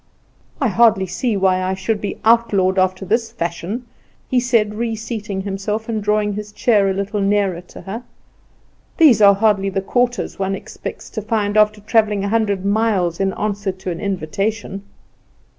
"I hardly see why I should be outlawed after this fashion," he said, reseating himself and drawing his chair a little nearer to her; "these are hardly the quarters one expects to find after travelling a hundred miles in answer to an invitation."